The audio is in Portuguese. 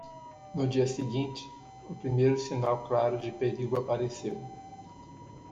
No dia seguinte?, o primeiro sinal claro de perigo apareceu.